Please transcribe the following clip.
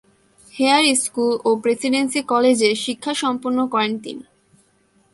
Hair school ও Presidency কলেজে শিক্ষা সম্পন্ন করেন তিনি।